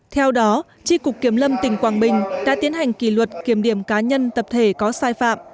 theo đó tri cục kiểm lâm tỉnh quảng bình đã tiến hành kỷ luật kiểm điểm cá nhân tập thể có sai phạm